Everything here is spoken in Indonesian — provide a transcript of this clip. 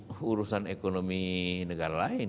kita tidak mengurus urusan ekonomi negara lain